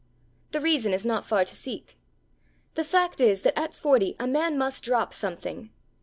The reason is not far to seek. The fact is that at forty a man must drop something.